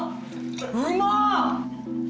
うまっ！